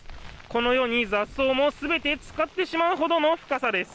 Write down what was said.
このように雑草も全て浸かってしまうほどの深さです。